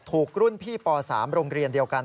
ถูกรุ่นพี่ป๓โรงเรียนเดียวกัน